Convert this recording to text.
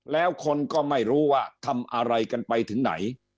แล้วคนก็ไม่รู้ว่าทำอะไรกันไปถึงไหน